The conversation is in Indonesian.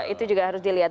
itu juga harus dilihat